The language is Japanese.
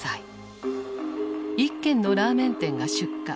一軒のラーメン店が出火。